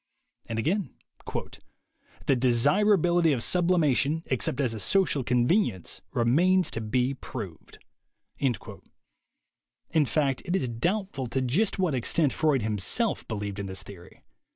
And again: "The desir ability of sublimation, except as a social conven ience, remains to be proved." In fact, it is doubtful to just what extent Freud THE WAY TO WILL POWER 97 himself believed in this theory.